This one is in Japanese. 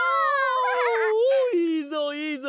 おいいぞいいぞ！